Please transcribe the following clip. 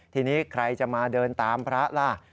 ทีนี้ใครจะมาเดินตามพระล่ะ